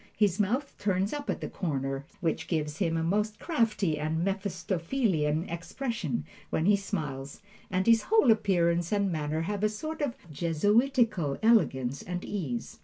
His mouth turns up at the corners, which gives him a most crafty and Mephistophelian expression when he smiles, and his whole appearance and manner have a sort of Jesuitical elegance and ease.